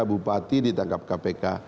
bupati ditangkap kpk